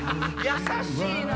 優しいな。